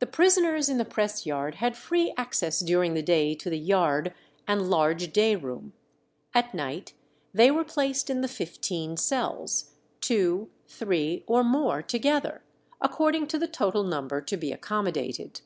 The prisoners in the press yard had free access during the day to the yard and large day room; at night they were placed in the fifteen cells, two, three, or more together, according to the total number to be accommodated.